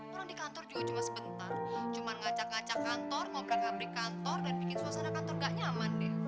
orang di kantor jauh cuma sebentar cuma ngacak ngacak kantor ngobrol ngobrol di kantor dan bikin suasana kantor nggak nyaman del